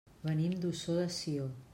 Venim d'Ossó de Sió.